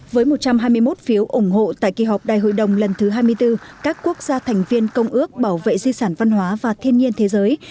với một trăm hai mươi một phiếu ủng hộ tại kỳ họp đại hội đồng lần thứ hai mươi bốn các quốc gia thành viên công ước bảo vệ di sản văn hóa và thiên nhiên thế giới